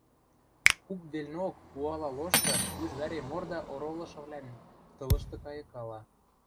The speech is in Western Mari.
Куп велнок, уала лошты, юж вӓре морда оролышывлӓн тылышты кайыкала.